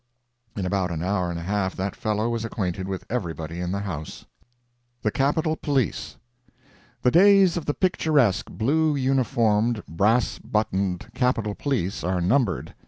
In about an hour and a half that fellow was acquainted with everybody in the house. THE CAPITOL POLICE The days of the picturesque, blue uniformed, brass buttoned Capitol police are numbered.